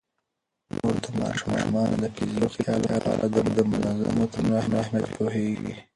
مور د ماشومانو د فزیکي روغتیا لپاره د منظمو تمرینونو اهمیت پوهیږي.